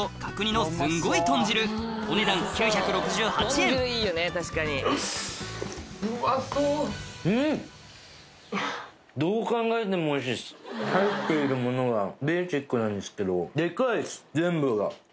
入っているものがベーシックなんですけどデカいです全部が。